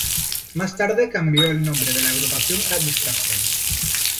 Más tarde cambio el nombre de la agrupación a "Destruction".